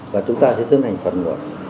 và chúng ta sẽ thân hành phần nguội